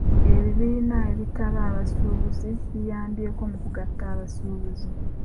Ebibiina ebitaba abasuubuzi biyambyeko mu kugatta abasuubuzi.